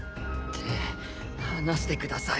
離してください。